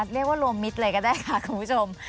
เรียกว่ารวมมิตรเลยก็ได้ค่ะคุณผู้ชม